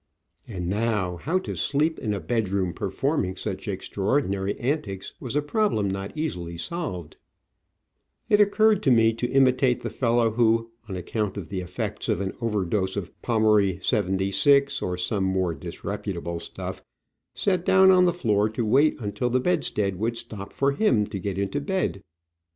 And now how to sleep in a bedroom performing such extra ordinary antics was a problem not easily solved. It Digitized by VjOOQ IC 8 Travels and Adventures occurred to me to imitate the fellow who, on account of the effects of an overdose of Pommery '76, or some more disreputable stuff, sat down on the floor to wait until the bedstead would stop for him to get into bed.